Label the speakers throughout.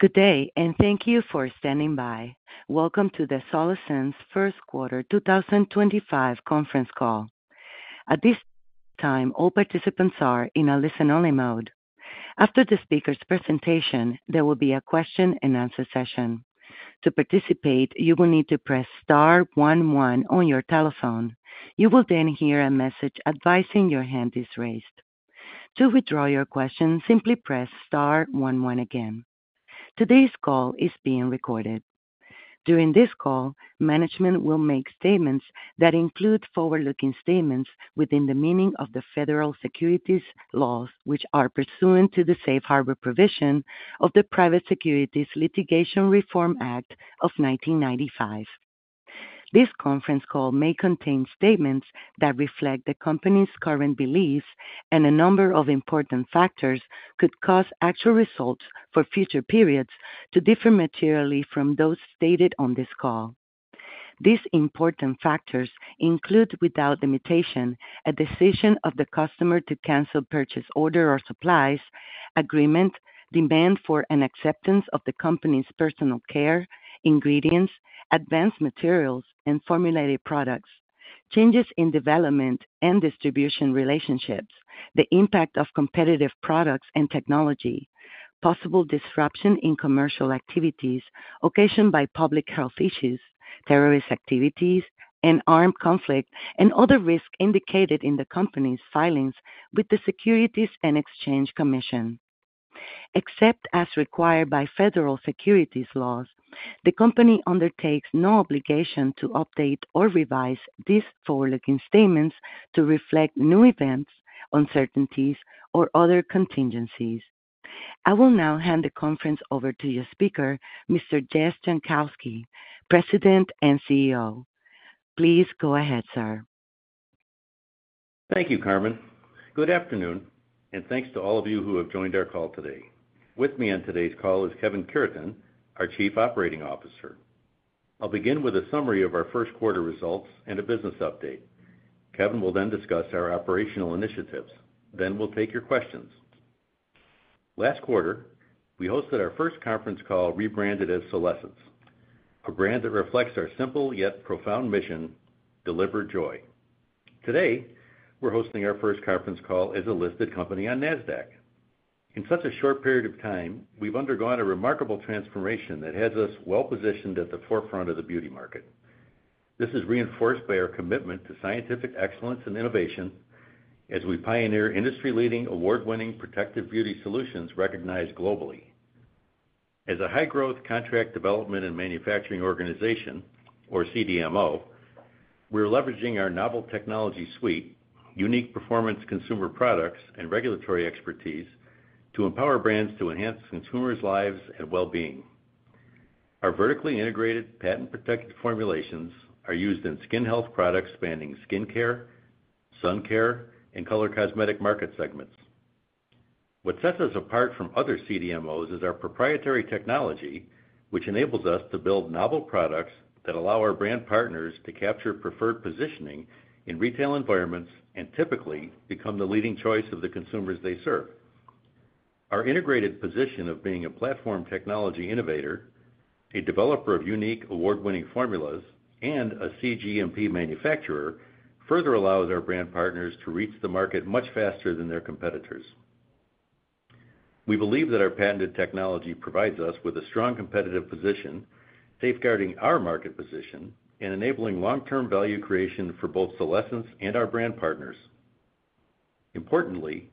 Speaker 1: Good day, and thank you for standing by. Welcome to the Solésence Q1 2025 conference call. At this time, all participants are in a listen-only mode. After the speaker's presentation, there will be a question-and-answer session. To participate, you will need to press star one one on your telephone. You will then hear a message advising your hand is raised. To withdraw your question, simply press star one one again. Today's call is being recorded. During this call, management will make statements that include forward-looking statements within the meaning of the federal securities laws which are pursuant to the safe harbor provision of the Private Securities Litigation Reform Act of 1995. This conference call may contain statements that reflect the company's current beliefs and a number of important factors that could cause actual results for future periods to differ materially from those stated on this call. These important factors include, without limitation, a decision of the customer to cancel purchase order or supplies, agreement, demand for and acceptance of the company's personal care, ingredients, advanced materials, and formulated products, changes in development and distribution relationships, the impact of competitive products and technology, possible disruption in commercial activities occasioned by public health issues, terrorist activities, and armed conflict, and other risks indicated in the company's filings with the Securities and Exchange Commission. Except as required by federal securities laws, the company undertakes no obligation to update or revise these forward-looking statements to reflect new events, uncertainties, or other contingencies. I will now hand the conference over to your speaker, Mr. Jess Jankowski, President and CEO. Please go ahead, sir.
Speaker 2: Thank you, Carmen. Good afternoon, and thanks to all of you who have joined our call today. With me on today's call is Kevin Cureton, our Chief Operating Officer. I'll begin with a summary of our Q1 results and a business update. Kevin will then discuss our operational initiatives. We will take your questions. Last quarter, we hosted our first conference call rebranded as Solésence, a brand that reflects our simple yet profound mission: deliver joy. Today, we're hosting our first conference call as a listed company on NASDAQ. In such a short period of time, we've undergone a remarkable transformation that has us well-positioned at the forefront of the beauty market. This is reinforced by our commitment to scientific excellence and innovation as we pioneer industry-leading, award-winning protective beauty solutions recognized globally. As a high-growth contract development and manufacturing organization, or CDMO, we're leveraging our novel technology suite, unique performance consumer products, and regulatory expertise to empower brands to enhance consumers' lives and well-being. Our vertically integrated patent-protected formulations are used in skin health products spanning skin care, sun care, and color cosmetic market segments. What sets us apart from other CDMOs is our proprietary technology, which enables us to build novel products that allow our brand partners to capture preferred positioning in retail environments and typically become the leading choice of the consumers they serve. Our integrated position of being a platform technology innovator, a developer of unique award-winning formulas, and a cGMP manufacturer further allows our brand partners to reach the market much faster than their competitors. We believe that our patented technology provides us with a strong competitive position, safeguarding our market position and enabling long-term value creation for both Solésence and our brand partners. Importantly,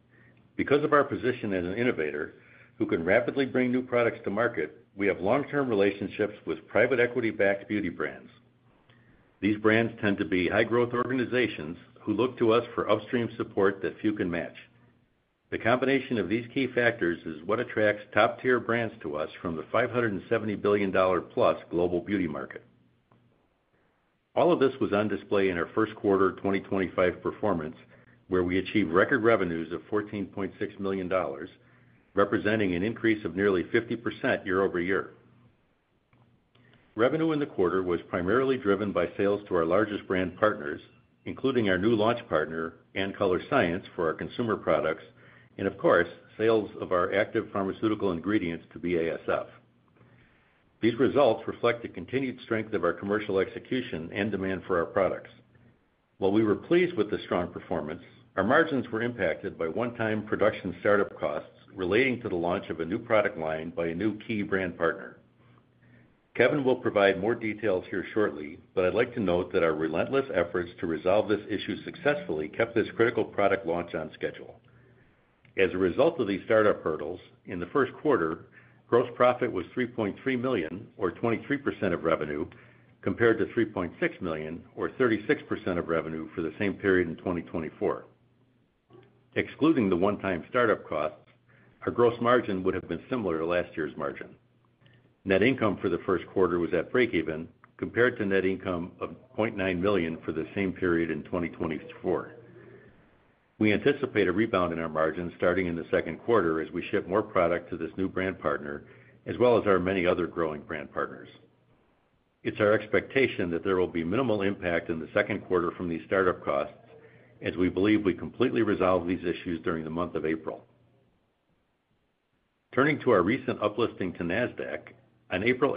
Speaker 2: because of our position as an innovator who can rapidly bring new products to market, we have long-term relationships with private equity-backed beauty brands. These brands tend to be high-growth organizations who look to us for upstream support that few can match. The combination of these key factors is what attracts top-tier brands to us from the $570 billion-plus global beauty market. All of this was on display in our Q1 2025 performance, where we achieved record revenues of $14.6 million, representing an increase of nearly 50% year over year. Revenue in the quarter was primarily driven by sales to our largest brand partners, including our new launch partner, Colorescience, for our consumer products, and, of course, sales of our active pharmaceutical ingredients to BASF. These results reflect the continued strength of our commercial execution and demand for our products. While we were pleased with the strong performance, our margins were impacted by one-time production startup costs relating to the launch of a new product line by a new key brand partner. Kevin will provide more details here shortly, but I'd like to note that our relentless efforts to resolve this issue successfully kept this critical product launch on schedule. As a result of these startup hurdles, in the Q1, gross profit was $3.3 million, or 23% of revenue, compared to $3.6 million, or 36% of revenue for the same period in 2024. Excluding the one-time startup costs, our gross margin would have been similar to last year's margin. Net income for the Q1 was at break-even, compared to net income of $0.9 million for the same period in 2024. We anticipate a rebound in our margins starting in the Q2 as we ship more product to this new brand partner, as well as our many other growing brand partners. It's our expectation that there will be minimal impact in the Q2 from these startup costs, as we believe we completely resolve these issues during the month of April. Turning to our recent uplisting to NASDAQ, on 8 April,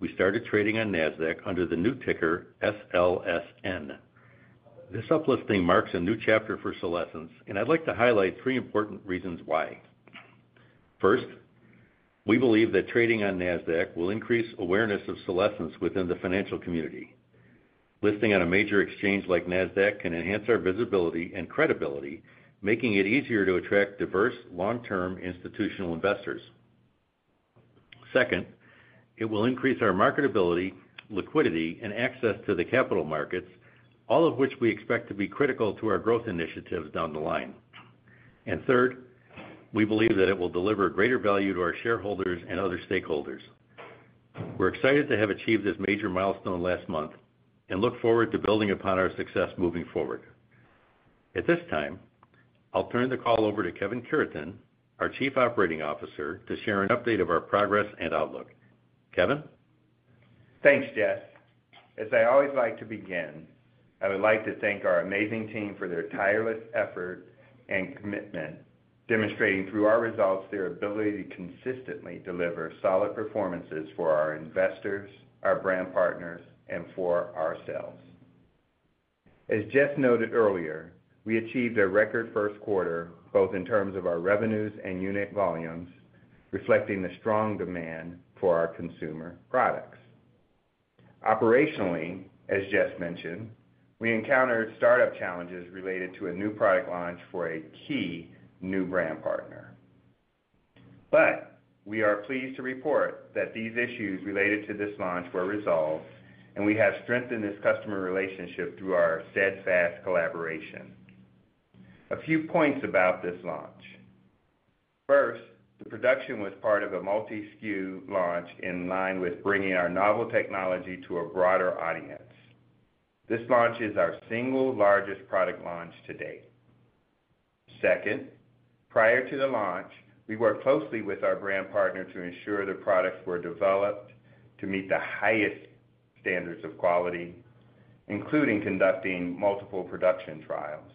Speaker 2: we started trading on NASDAQ under the new ticker SLSN. This uplisting marks a new chapter for Solésence, and I'd like to highlight three important reasons why. First, we believe that trading on NASDAQ will increase awareness of Solésence within the financial community. Listing on a major exchange like NASDAQ can enhance our visibility and credibility, making it easier to attract diverse, long-term institutional investors. Second, it will increase our marketability, liquidity, and access to the capital markets, all of which we expect to be critical to our growth initiatives down the line. Third, we believe that it will deliver greater value to our shareholders and other stakeholders. We're excited to have achieved this major milestone last month and look forward to building upon our success moving forward. At this time, I'll turn the call over to Kevin Cureton, our Chief Operating Officer, to share an update of our progress and outlook. Kevin?
Speaker 3: Thanks, Jess. As I always like to begin, I would like to thank our amazing team for their tireless effort and commitment, demonstrating through our results their ability to consistently deliver solid performances for our investors, our brand partners, and for ourselves. As Jess noted earlier, we achieved a record Q1, both in terms of our revenues and unit volumes, reflecting the strong demand for our consumer products. Operationally, as Jess mentioned, we encountered startup challenges related to a new product launch for a key new brand partner. We are pleased to report that these issues related to this launch were resolved, and we have strengthened this customer relationship through our steadfast collaboration. A few points about this launch. First, the production was part of a multi-skew launch in line with bringing our novel technology to a broader audience. This launch is our single largest product launch to date. Second, prior to the launch, we worked closely with our brand partner to ensure the products were developed to meet the highest standards of quality, including conducting multiple production trials.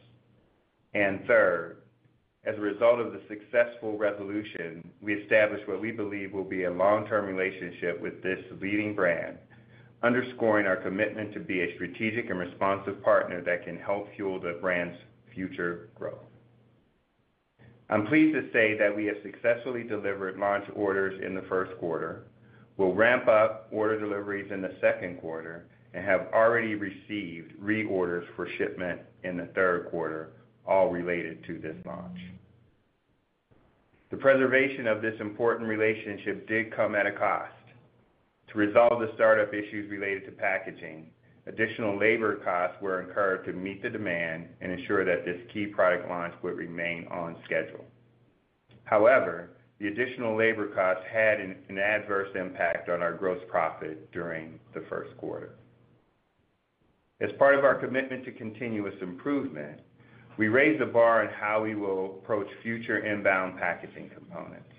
Speaker 3: Third, as a result of the successful resolution, we established what we believe will be a long-term relationship with this leading brand, underscoring our commitment to be a strategic and responsive partner that can help fuel the brand's future growth. I'm pleased to say that we have successfully delivered launch orders in the Q1, will ramp up order deliveries in the Q2, and have already received reorders for shipment in the Q3, all related to this launch. The preservation of this important relationship did come at a cost. To resolve the startup issues related to packaging, additional labor costs were incurred to meet the demand and ensure that this key product launch would remain on schedule. However, the additional labor costs had an adverse impact on our gross profit during the Q1. As part of our commitment to continuous improvement, we raised the bar on how we will approach future inbound packaging components.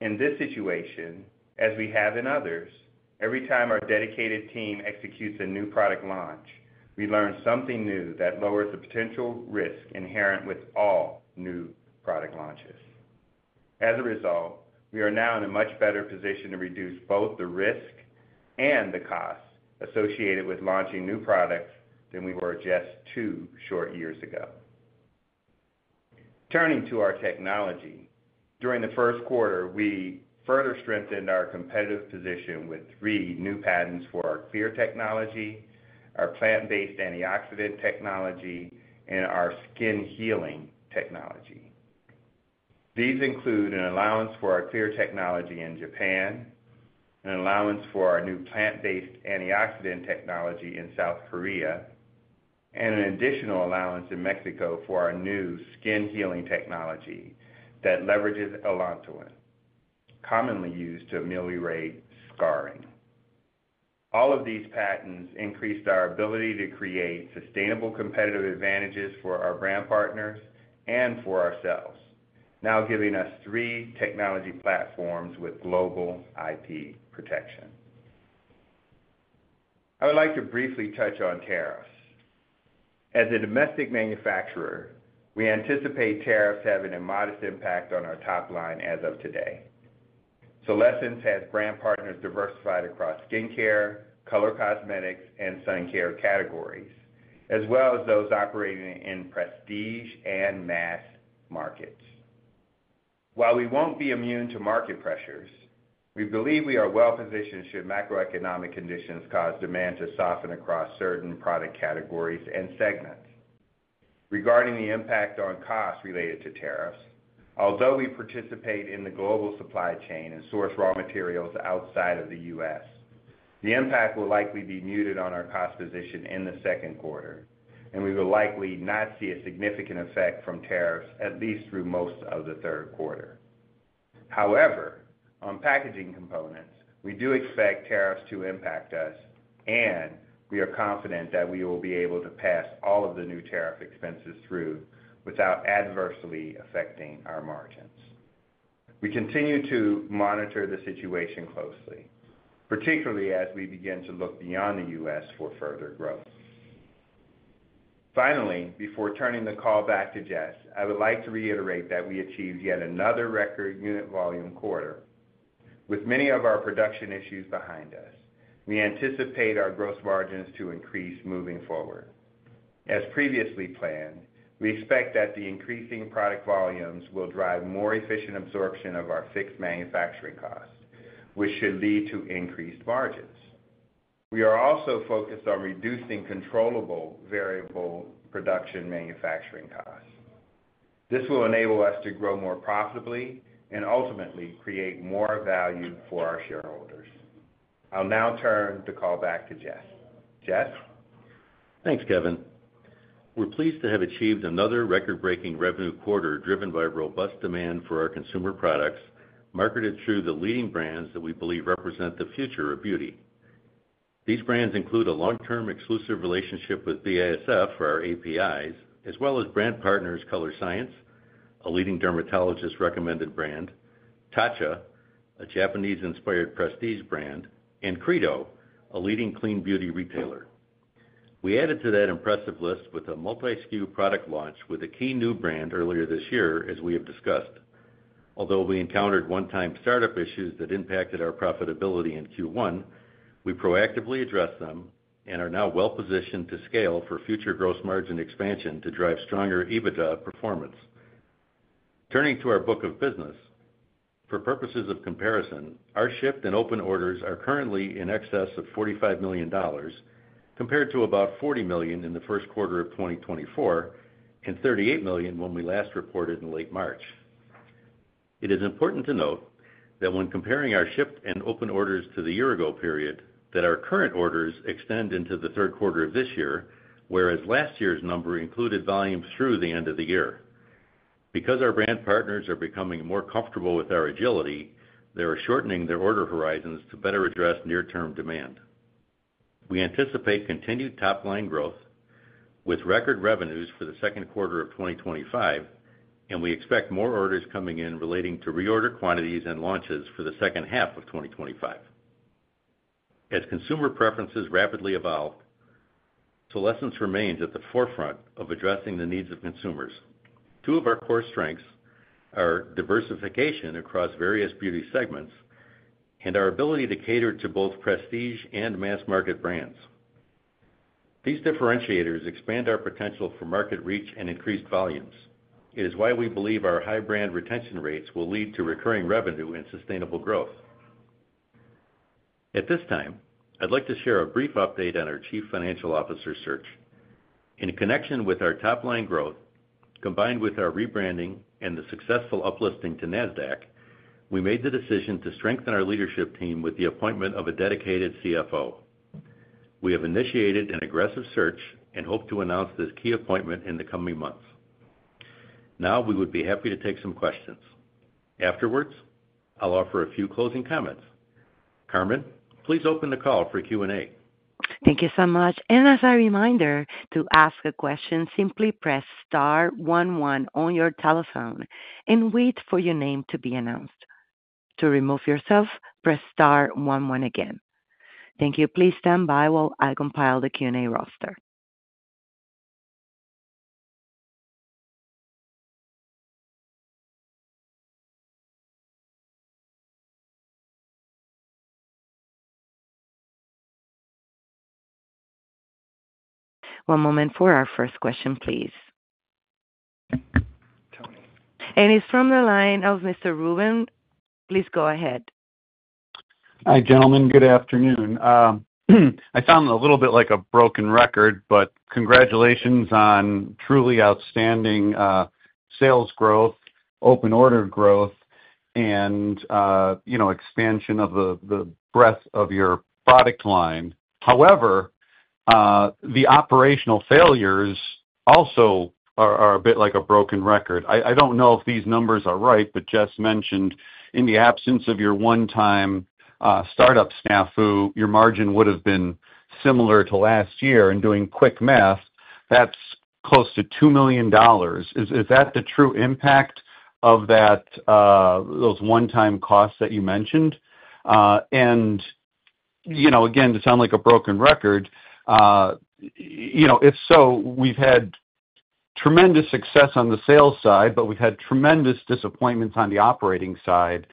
Speaker 3: In this situation, as we have in others, every time our dedicated team executes a new product launch, we learn something new that lowers the potential risk inherent with all new product launches. As a result, we are now in a much better position to reduce both the risk and the cost associated with launching new products than we were just two short years ago. Turning to our technology, during the Q1, we further strengthened our competitive position with three new patents for our clear technology, our plant-based antioxidant technology, and our skin healing technology. These include an allowance for our clear technology in Japan, an allowance for our new plant-based antioxidant technology in South Korea, and an additional allowance in Mexico for our new skin healing technology that leverages allantoin, commonly used to ameliorate scarring. All of these patents increased our ability to create sustainable competitive advantages for our brand partners and for ourselves, now giving us three technology platforms with global IP protection. I would like to briefly touch on tariffs. As a domestic manufacturer, we anticipate tariffs having a modest impact on our top line as of today. Solésence has brand partners diversified across skin care, color cosmetics, and sun care categories, as well as those operating in prestige and mass markets. While we won't be immune to market pressures, we believe we are well-positioned should macroeconomic conditions cause demand to soften across certain product categories and segments. Regarding the impact on costs related to tariffs, although we participate in the global supply chain and source raw materials outside of the US, the impact will likely be muted on our cost position in the Q2, and we will likely not see a significant effect from tariffs, at least through most of the Q3. However, on packaging components, we do expect tariffs to impact us, and we are confident that we will be able to pass all of the new tariff expenses through without adversely affecting our margins. We continue to monitor the situation closely, particularly as we begin to look beyond the US for further growth. Finally, before turning the call back to Jess, I would like to reiterate that we achieved yet another record unit volume quarter. With many of our production issues behind us, we anticipate our gross margins to increase moving forward. As previously planned, we expect that the increasing product volumes will drive more efficient absorption of our fixed manufacturing costs, which should lead to increased margins. We are also focused on reducing controllable variable production manufacturing costs. This will enable us to grow more profitably and ultimately create more value for our shareholders. I'll now turn the call back to Jess. Jess?
Speaker 2: Thanks, Kevin. We're pleased to have achieved another record-breaking revenue quarter driven by robust demand for our consumer products marketed through the leading brands that we believe represent the future of beauty. These brands include a long-term exclusive relationship with BASF for our APIs, as well as brand partners Colorescience, a leading dermatologist-recommended brand, Tatcha, a Japanese-inspired prestige brand, and Credo, a leading clean beauty retailer. We added to that impressive list with a multi-skew product launch with a key new brand earlier this year, as we have discussed. Although we encountered one-time startup issues that impacted our profitability in Q1, we proactively addressed them and are now well-positioned to scale for future gross margin expansion to drive stronger EBITDA performance. Turning to our book of business, for purposes of comparison, our shipped and open orders are currently in excess of $45 million, compared to about $40 million in the Q1 of 2024 and $38 million when we last reported in late March. It is important to note that when comparing our shipped and open orders to the year-ago period, our current orders extend into the Q3 of this year, whereas last year's number included volumes through the end of the year. Because our brand partners are becoming more comfortable with our agility, they are shortening their order horizons to better address near-term demand. We anticipate continued top-line growth with record revenues for the Q2 of 2025, and we expect more orders coming in relating to reorder quantities and launches for the second half of 2025. As consumer preferences rapidly evolve, Solésence remains at the forefront of addressing the needs of consumers. Two of our core strengths are diversification across various beauty segments and our ability to cater to both prestige and mass-market brands. These differentiators expand our potential for market reach and increased volumes. It is why we believe our high brand retention rates will lead to recurring revenue and sustainable growth. At this time, I'd like to share a brief update on our Chief Financial Officer search. In connection with our top-line growth, combined with our rebranding and the successful uplisting to NASDAQ, we made the decision to strengthen our leadership team with the appointment of a dedicated CFO. We have initiated an aggressive search and hope to announce this key appointment in the coming months. Now, we would be happy to take some questions. Afterwards, I'll offer a few closing comments. Carmen, please open the call for Q&A.
Speaker 1: Thank you so much. As a reminder, to ask a question, simply press star one one on your telephone and wait for your name to be announced. To remove yourself, press star one one again. Thank you. Please stand by while I compile the Q&A roster. One moment for our first question, please. It is from the line of Mr. Rubin. Please go ahead. Hi, gentlemen. Good afternoon. I sound a little bit like a broken record, but congratulations on truly outstanding sales growth, open order growth, and expansion of the breadth of your product line. However, the operational failures also are a bit like a broken record. I do not know if these numbers are right, but Jess mentioned in the absence of your one-time startup staff, your margin would have been similar to last year. And doing quick math, that is close to $2 million. Is that the true impact of those one-time costs that you mentioned? Again, to sound like a broken record, if so, we have had tremendous success on the sales side, but we have had tremendous disappointments on the operating side.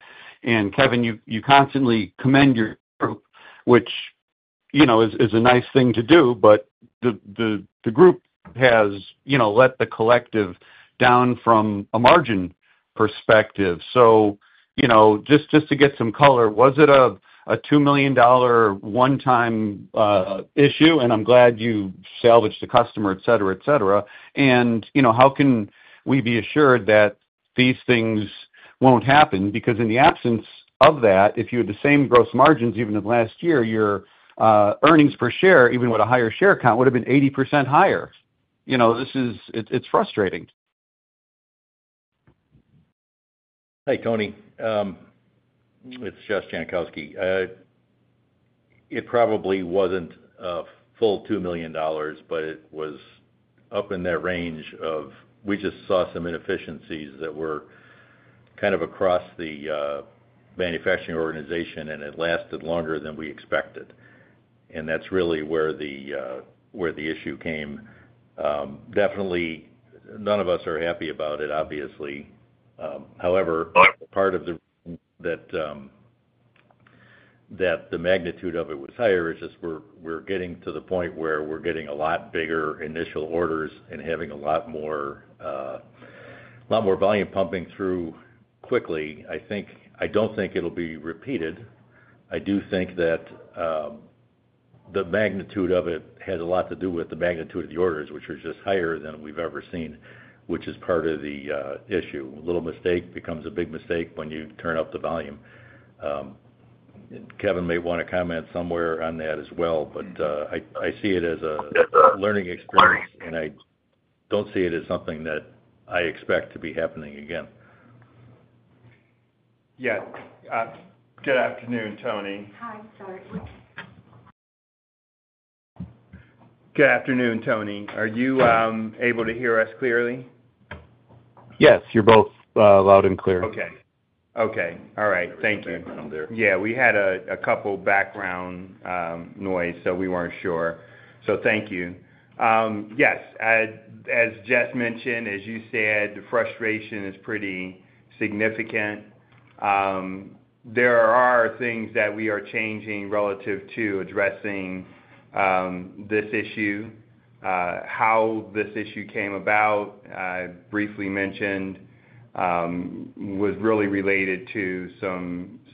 Speaker 1: Kevin, you constantly commend your group, which is a nice thing to do, but the group has let the collective down from a margin perspective. Just to get some color, was it a $2 million one-time issue? I'm glad you salvaged the customer, etc., etc. How can we be assured that these things won't happen? Because in the absence of that, if you had the same gross margins even as last year, your earnings per share, even with a higher share count, would have been 80% higher. It's frustrating.
Speaker 2: Hi, Tony. It's Jess Jankowski. It probably wasn't a full $2 million, but it was up in that range of we just saw some inefficiencies that were kind of across the manufacturing organization, and it lasted longer than we expected. That's really where the issue came. Definitely, none of us are happy about it, obviously. However, part of the reason that the magnitude of it was higher is just we're getting to the point where we're getting a lot bigger initial orders and having a lot more volume pumping through quickly. I don't think it'll be repeated. I do think that the magnitude of it had a lot to do with the magnitude of the orders, which are just higher than we've ever seen, which is part of the issue. A little mistake becomes a big mistake when you turn up the volume. Kevin may want to comment somewhere on that as well, but I see it as a learning experience, and I do not see it as something that I expect to be happening again.
Speaker 3: Yes. Good afternoon, Tony.
Speaker 1: Hi. Sorry.
Speaker 3: Good afternoon, Tony. Are you able to hear us clearly? Yes. You're both loud and clear. Okay. Okay. All right. Thank you.
Speaker 2: I'm there.
Speaker 3: Yeah. We had a couple of background noise, so we were not sure. Thank you. Yes. As Jess mentioned, as you said, the frustration is pretty significant. There are things that we are changing relative to addressing this issue. How this issue came about, I briefly mentioned, was really related to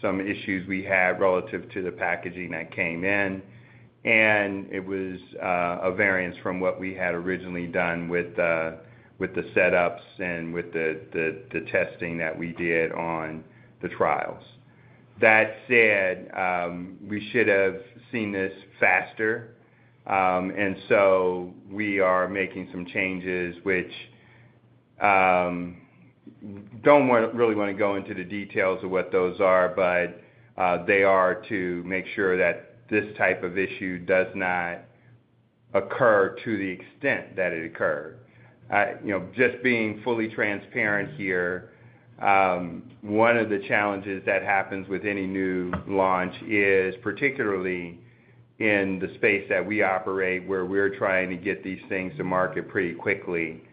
Speaker 3: some issues we had relative to the packaging that came in. It was a variance from what we had originally done with the setups and with the testing that we did on the trials. That said, we should have seen this faster. We are making some changes, which I do not really want to go into the details of what those are, but they are to make sure that this type of issue does not occur to the extent that it occurred. Just being fully transparent here, one of the challenges that happens with any new launch is particularly in the space that we operate, where we're trying to get these things to market pretty quickly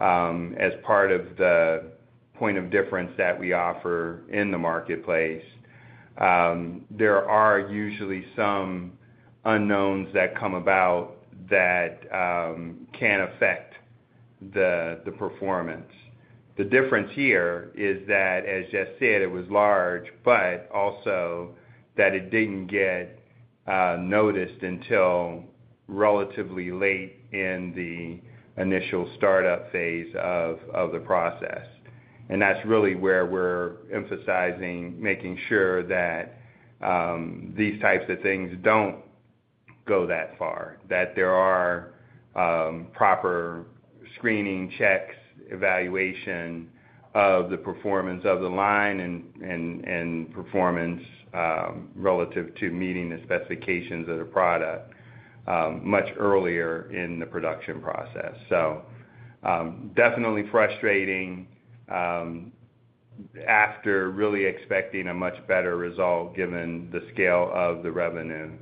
Speaker 3: as part of the point of difference that we offer in the marketplace. There are usually some unknowns that come about that can affect the performance. The difference here is that, as Jess said, it was large, but also that it didn't get noticed until relatively late in the initial startup phase of the process. That is really where we're emphasizing making sure that these types of things don't go that far, that there are proper screening checks, evaluation of the performance of the line and performance relative to meeting the specifications of the product much earlier in the production process. Definitely frustrating after really expecting a much better result given the scale of the revenue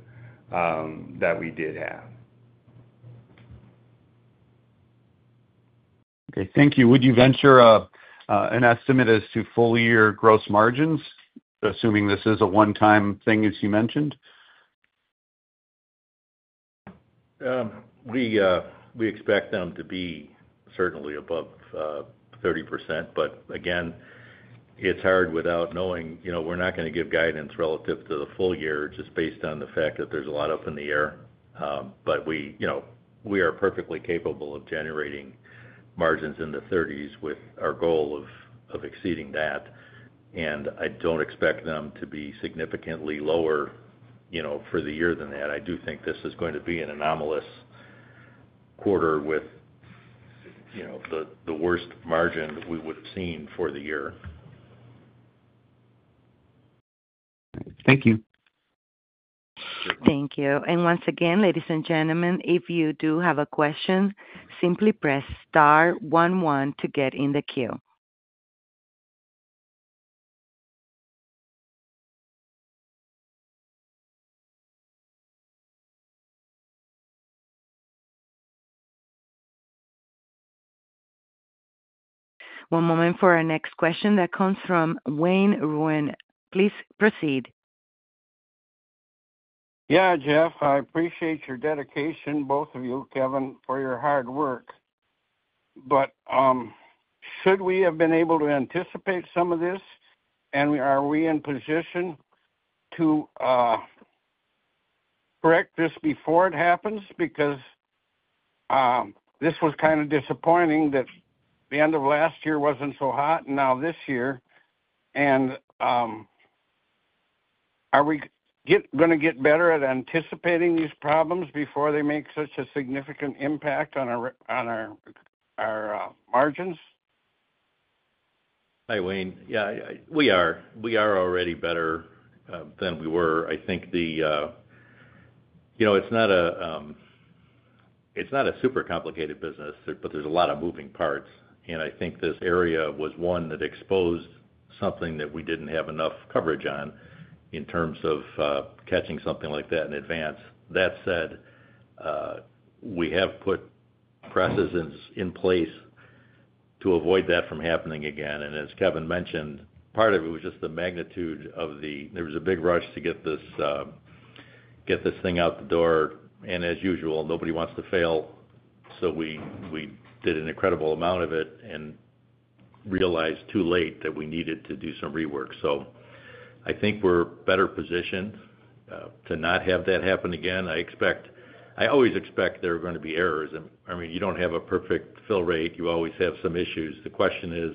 Speaker 3: that we did have. Okay. Thank you. Would you venture an estimate as to full-year gross margins, assuming this is a one-time thing, as you mentioned?
Speaker 2: We expect them to be certainly above 30%. Again, it's hard without knowing. We're not going to give guidance relative to the full year just based on the fact that there's a lot up in the air. We are perfectly capable of generating margins in the 30s with our goal of exceeding that. I don't expect them to be significantly lower for the year than that. I do think this is going to be an anomalous quarter with the worst margin we would have seen for the year. Thank you.
Speaker 1: Thank you. Once again, ladies and gentlemen, if you do have a question, simply press star one one to get in the queue. One moment for our next question that comes from Wayne Ruin. Please proceed. Yeah, Jess. I appreciate your dedication, both of you, Kevin, for your hard work. Should we have been able to anticipate some of this, and are we in position to correct this before it happens? This was kind of disappointing that the end of last year was not so hot and now this year. Are we going to get better at anticipating these problems before they make such a significant impact on our margins?
Speaker 2: Hi, Wayne. Yeah, we are. We are already better than we were. I think it's not a super complicated business, but there's a lot of moving parts. I think this area was one that exposed something that we didn't have enough coverage on in terms of catching something like that in advance. That said, we have put presses in place to avoid that from happening again. As Kevin mentioned, part of it was just the magnitude of the, there was a big rush to get this thing out the door. As usual, nobody wants to fail. We did an incredible amount of it and realized too late that we needed to do some rework. I think we're better positioned to not have that happen again. I always expect there are going to be errors. I mean, you don't have a perfect fill rate. You always have some issues. The question is,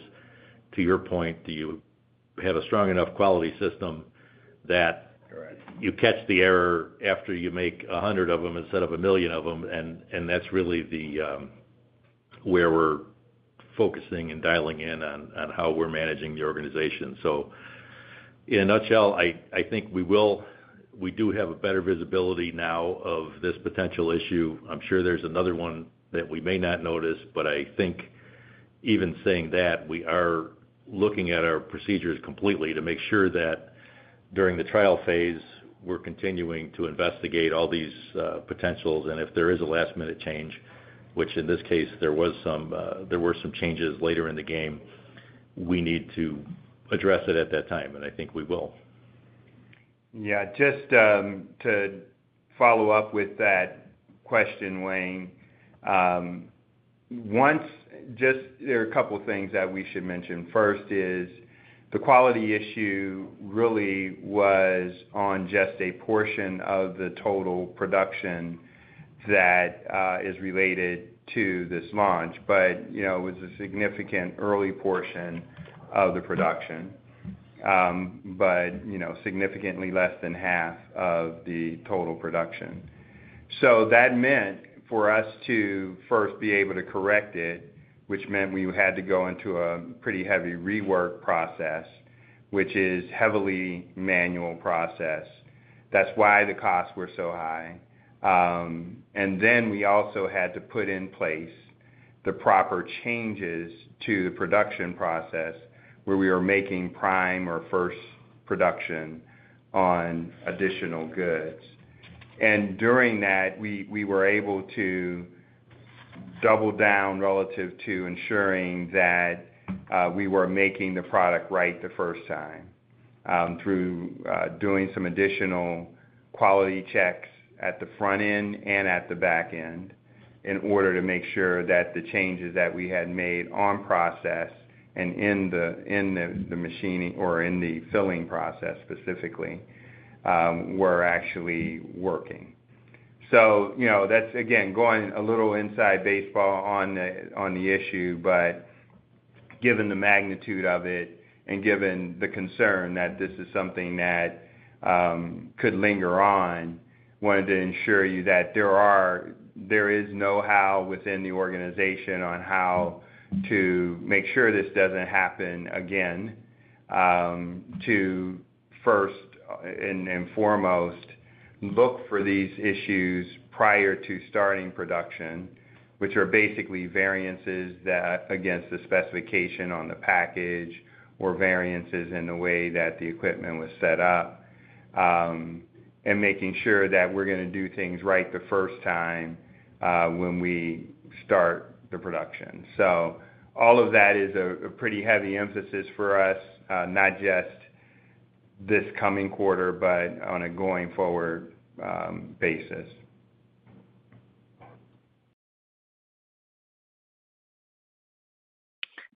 Speaker 2: to your point, do you have a strong enough quality system that you catch the error after you make 100 of them instead of a million of them? That is really where we're focusing and dialing in on how we're managing the organization. In a nutshell, I think we do have a better visibility now of this potential issue. I'm sure there's another one that we may not notice, but I think even saying that, we are looking at our procedures completely to make sure that during the trial phase, we're continuing to investigate all these potentials. If there is a last-minute change, which in this case, there were some changes later in the game, we need to address it at that time. I think we will.
Speaker 3: Yeah. Just to follow up with that question, Wayne, there are a couple of things that we should mention. First is the quality issue really was on just a portion of the total production that is related to this launch, but it was a significant early portion of the production, but significantly less than half of the total production. That meant for us to first be able to correct it, which meant we had to go into a pretty heavy rework process, which is a heavily manual process. That is why the costs were so high. We also had to put in place the proper changes to the production process where we were making prime or first production on additional goods. During that, we were able to double down relative to ensuring that we were making the product right the first time through doing some additional quality checks at the front end and at the back end in order to make sure that the changes that we had made on process and in the machining or in the filling process specifically were actually working. That's, again, going a little inside baseball on the issue, but given the magnitude of it and given the concern that this is something that could linger on, I wanted to ensure you that there is know-how within the organization on how to make sure this doesn't happen again, to first and foremost, look for these issues prior to starting production, which are basically variances against the specification on the package or variances in the way that the equipment was set up, and making sure that we're going to do things right the first time when we start the production. All of that is a pretty heavy emphasis for us, not just this coming quarter, but on a going-forward basis.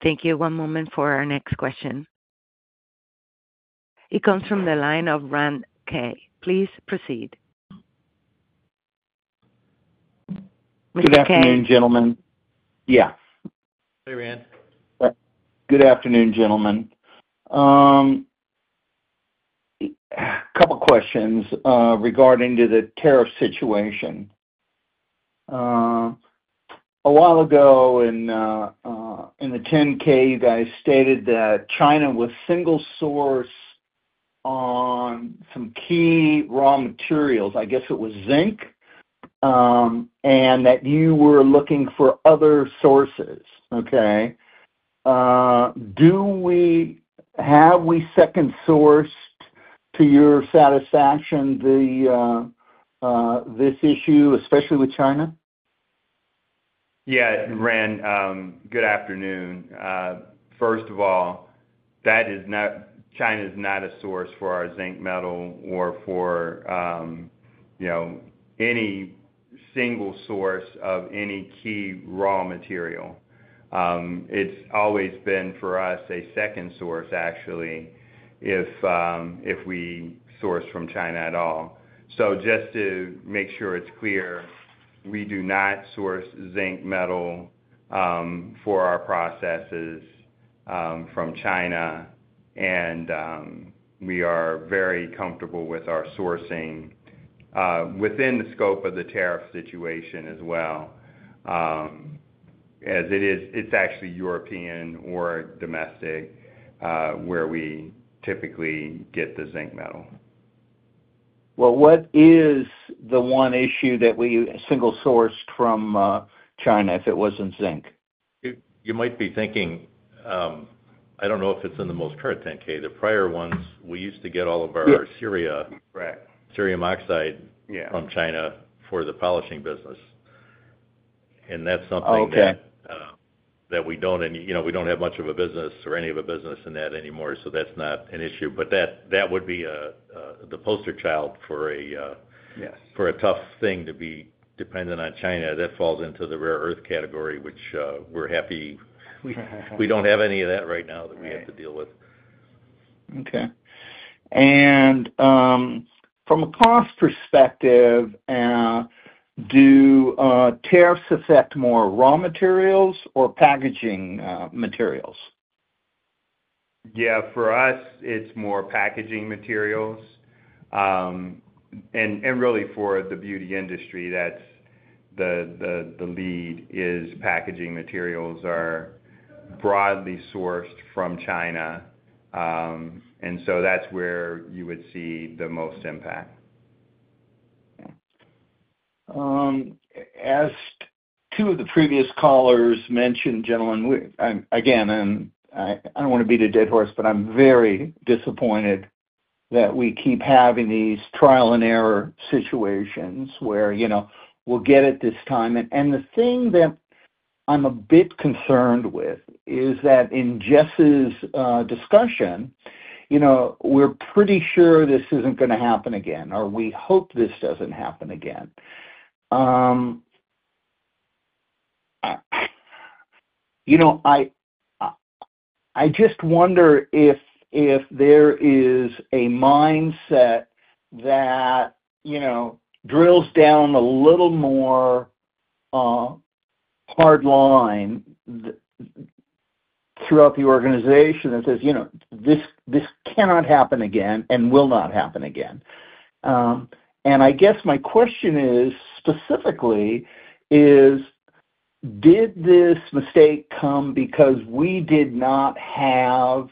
Speaker 1: Thank you. One moment for our next question. It comes from the line of Ran K. Please proceed. Good afternoon, gentlemen. Yeah.
Speaker 2: Hey, Ran. Good afternoon, gentlemen. A couple of questions regarding the tariff situation. A while ago in the 10-K, you guys stated that China was single source on some key raw materials. I guess it was zinc, and that you were looking for other sources. Okay. Have we second-sourced, to your satisfaction, this issue, especially with China? Yeah. Ran, good afternoon. First of all, China is not a source for our zinc metal or for any single source of any key raw material. It's always been for us a second source, actually, if we source from China at all. Just to make sure it's clear, we do not source zinc metal for our processes from China. We are very comfortable with our sourcing within the scope of the tariff situation as well. It's actually European or domestic where we typically get the zinc metal. What is the one issue that we single-sourced from China if it wasn't zinc? You might be thinking, I don't know if it's in the most current 10-K. The prior ones, we used to get all of our cerium oxide from China for the polishing business. That's something that we don't have much of a business or any of a business in that anymore. That's not an issue. That would be the poster child for a tough thing to be dependent on China. That falls into the rare earth category, which we're happy we don't have any of that right now that we have to deal with. Okay. From a cost perspective, do tariffs affect more raw materials or packaging materials? Yeah. For us, it's more packaging materials. Really, for the beauty industry, that's the lead, is packaging materials are broadly sourced from China. That's where you would see the most impact. As two of the previous callers mentioned, gentlemen, again, I do not want to beat a dead horse, but I am very disappointed that we keep having these trial and error situations where we will get it this time. The thing that I am a bit concerned with is that in Jess's discussion, we are pretty sure this is not going to happen again, or we hope this does not happen again. I just wonder if there is a mindset that drills down a little more hard line throughout the organization that says, "This cannot happen again and will not happen again." I guess my question specifically is, did this mistake come because we did not have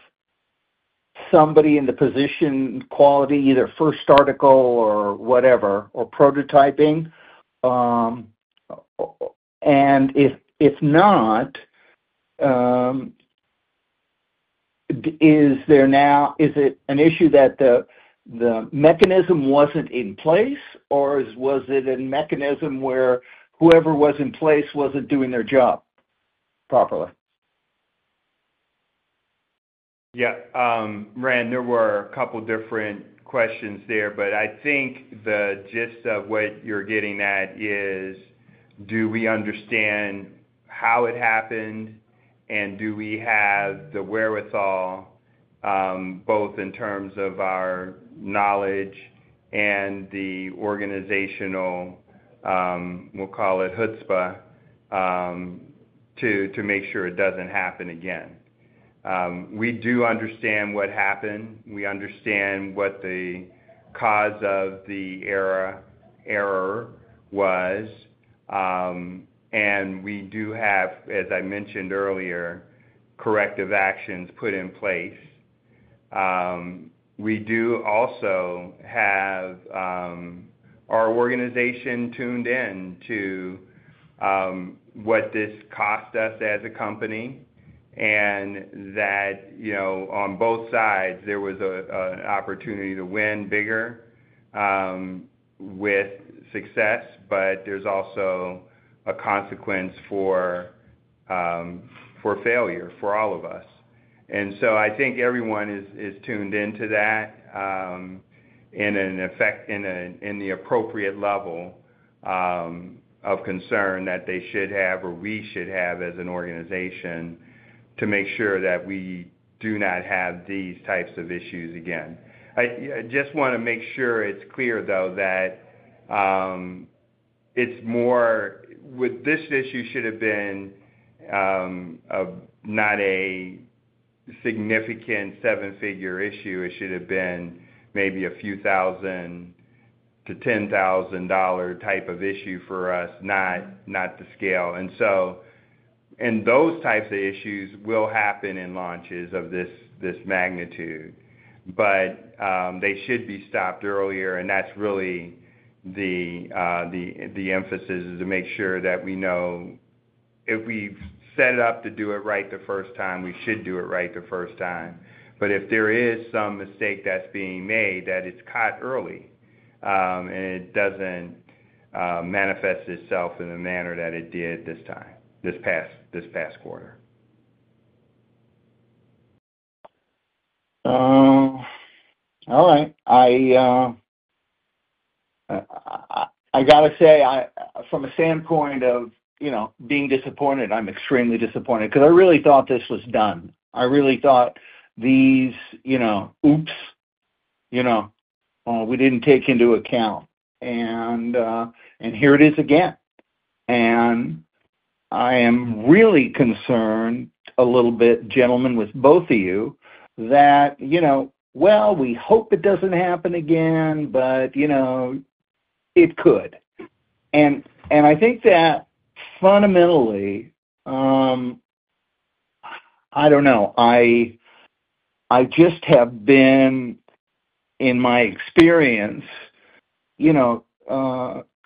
Speaker 2: somebody in the position, quality, either first article or whatever, or prototyping? If not, is there now, is it an issue that the mechanism wasn't in place, or was it a mechanism where whoever was in place wasn't doing their job properly?
Speaker 3: Yeah. Ran, there were a couple of different questions there. I think the gist of what you're getting at is, do we understand how it happened, and do we have the wherewithal, both in terms of our knowledge and the organizational, we'll call it, chutzpah, to make sure it doesn't happen again? We do understand what happened. We understand what the cause of the error was. We do have, as I mentioned earlier, corrective actions put in place. We do also have our organization tuned in to what this cost us as a company and that on both sides, there was an opportunity to win bigger with success, but there's also a consequence for failure for all of us. I think everyone is tuned into that in the appropriate level of concern that they should have or we should have as an organization to make sure that we do not have these types of issues again. I just want to make sure it's clear, though, that with this issue, it should have been not a significant seven-figure issue. It should have been maybe a few thousand to $10,000 type of issue for us, not the scale. These types of issues will happen in launches of this magnitude. They should be stopped earlier. That is really the emphasis, to make sure that we know if we've set it up to do it right the first time, we should do it right the first time. If there is some mistake that's being made, that it's caught early and it doesn't manifest itself in the manner that it did this time this past quarter. All right. I got to say, from a standpoint of being disappointed, I'm extremely disappointed because I really thought this was done. I really thought these oops we didn't take into account. And here it is again. I am really concerned a little bit, gentlemen, with both of you, that, well, we hope it doesn't happen again, but it could. I think that fundamentally, I don't know. I just have been, in my experience,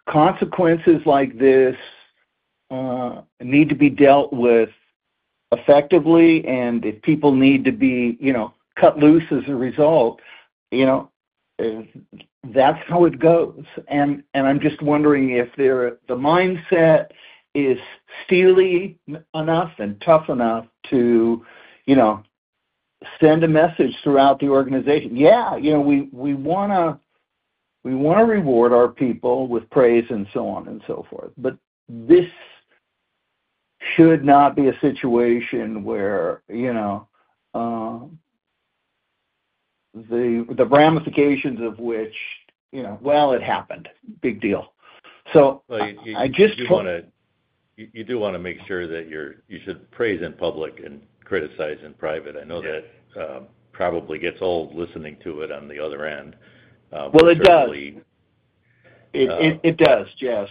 Speaker 3: consequences like this need to be dealt with effectively. If people need to be cut loose as a result, that's how it goes. I'm just wondering if the mindset is steely enough and tough enough to send a message throughout the organization. Yeah. We want to reward our people with praise and so on and so forth. This should not be a situation where the ramifications of which, well, it happened. Big deal. I just.
Speaker 2: You do want to make sure that you should praise in public and criticize in private. I know that probably gets old listening to it on the other end. It does. It does, Jess.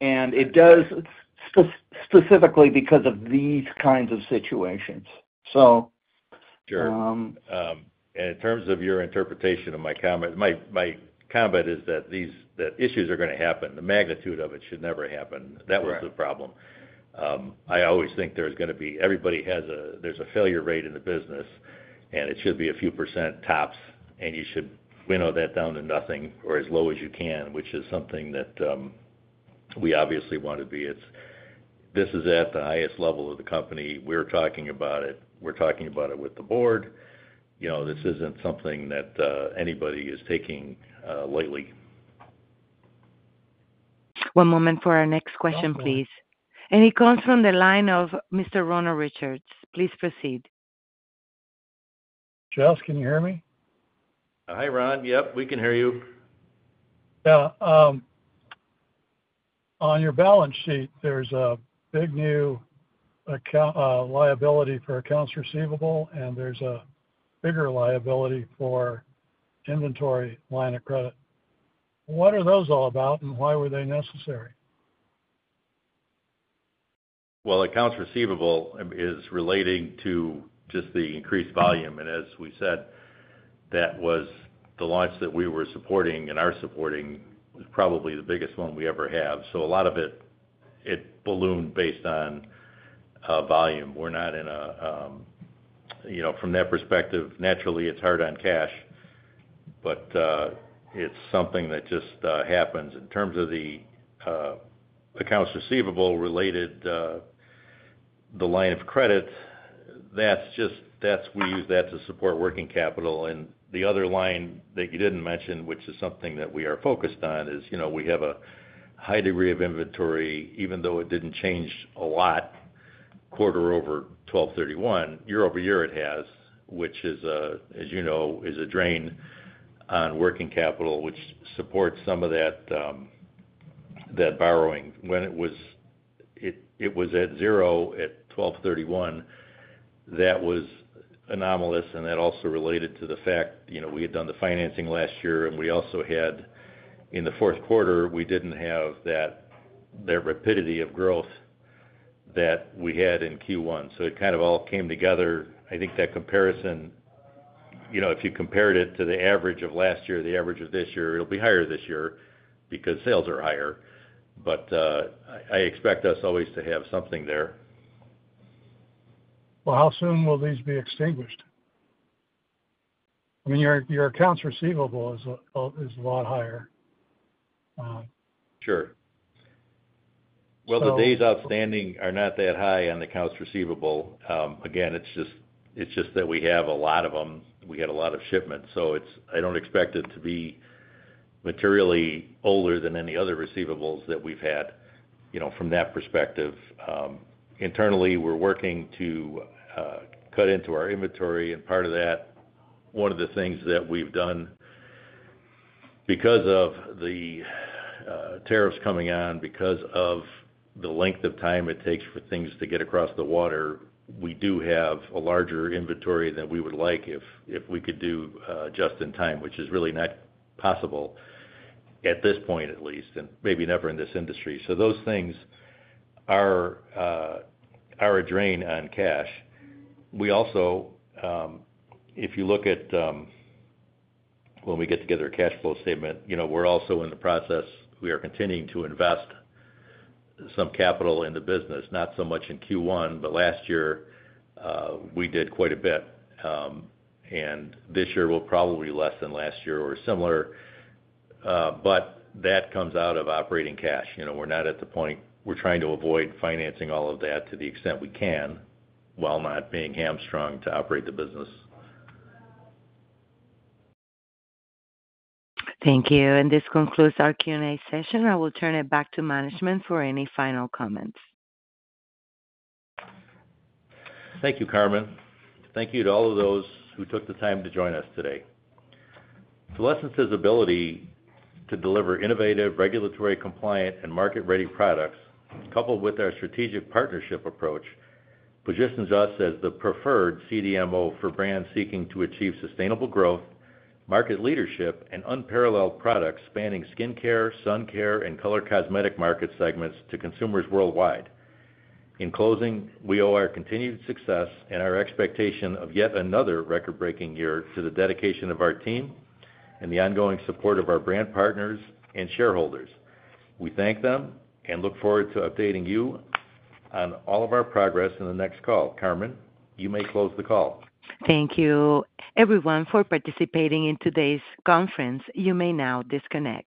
Speaker 2: It does specifically because of these kinds of situations. Sure. In terms of your interpretation of my comment, my comment is that issues are going to happen. The magnitude of it should never happen. That was the problem. I always think there's going to be everybody has a there's a failure rate in the business, and it should be a few percent tops. You should winnow that down to nothing or as low as you can, which is something that we obviously want to be. This is at the highest level of the company. We're talking about it. We're talking about it with the board. This isn't something that anybody is taking lightly.
Speaker 1: One moment for our next question, please. It comes from the line of Mr. Ronald Richards. Please proceed. Jess, can you hear me?
Speaker 2: Hi, Ron. Yep. We can hear you. Yeah. On your balance sheet, there's a big new liability for accounts receivable, and there's a bigger liability for inventory line of credit. What are those all about, and why were they necessary? Accounts receivable is relating to just the increased volume. As we said, that was the launch that we were supporting and are supporting, was probably the biggest one we ever have. A lot of it ballooned based on volume. We're not in a, from that perspective, naturally, it's hard on cash, but it's something that just happens. In terms of the accounts receivable related to the line of credit, that's just, we use that to support working capital. The other line that you did not mention, which is something that we are focused on, is we have a high degree of inventory, even though it did not change a lot quarter over 12/31. Year over year, it has, which, as you know, is a drain on working capital, which supports some of that borrowing. When it was at zero at 12/31, that was anomalous. That also related to the fact we had done the financing last year. We also had, in the Q4, we did not have that rapidity of growth that we had in Q1. It kind of all came together. I think that comparison, if you compared it to the average of last year, the average of this year, it will be higher this year because sales are higher. I expect us always to have something there. How soon will these be extinguished? I mean, your accounts receivable is a lot higher. Sure. The days outstanding are not that high on the accounts receivable. Again, it's just that we have a lot of them. We had a lot of shipments. I don't expect it to be materially older than any other receivables that we've had from that perspective. Internally, we're working to cut into our inventory. Part of that, one of the things that we've done, because of the tariffs coming on, because of the length of time it takes for things to get across the water, we do have a larger inventory than we would like if we could do just in time, which is really not possible at this point, at least, and maybe never in this industry. Those things are a drain on cash. If you look at when we get together a cash flow statement, we're also in the process. We are continuing to invest some capital in the business, not so much in Q1, but last year, we did quite a bit. This year, we'll probably be less than last year or similar. That comes out of operating cash. We're not at the point. We're trying to avoid financing all of that to the extent we can while not being hamstrung to operate the business.
Speaker 1: Thank you. This concludes our Q&A session. I will turn it back to management for any final comments.
Speaker 2: Thank you, Carmen. Thank you to all of those who took the time to join us today. Solésence's ability to deliver innovative, regulatory-compliant, and market-ready products, coupled with our strategic partnership approach, positions us as the preferred CDMO for brands seeking to achieve sustainable growth, market leadership, and unparalleled products spanning skincare, sun care, and color cosmetic market segments to consumers worldwide. In closing, we owe our continued success and our expectation of yet another record-breaking year to the dedication of our team and the ongoing support of our brand partners and shareholders. We thank them and look forward to updating you on all of our progress in the next call. Carmen, you may close the call.
Speaker 1: Thank you, everyone, for participating in today's conference. You may now disconnect.